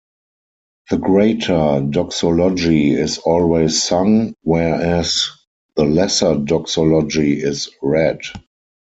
The Greater Doxology is always sung, whereas the Lesser Doxology is read.